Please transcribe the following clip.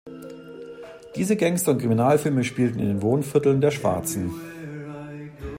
Diese Gangster- und Kriminalfilme spielten in den Wohnvierteln der Schwarzen.